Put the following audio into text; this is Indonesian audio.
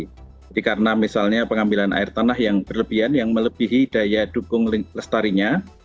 jadi karena misalnya pengambilan air tanah yang berlebihan yang melebihi daya dukung lestarinya